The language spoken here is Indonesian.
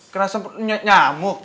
kena semprot nyamuk